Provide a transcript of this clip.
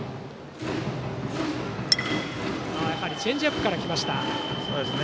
チェンジアップからきました。